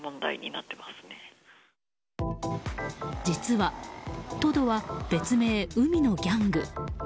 実は、トドは別名・海のギャング。